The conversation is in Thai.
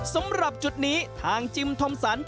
สำหรับจุดนี้ทางจิมทอมสัน